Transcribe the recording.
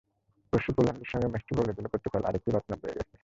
পরশু পোল্যান্ডের সঙ্গে ম্যাচটি বলে দিল পর্তুগাল আরেকটি রত্ন পেয়ে গেছে।